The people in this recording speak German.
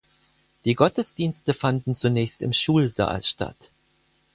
Die Gottesdienste fanden zunächst im Schulsaal statt.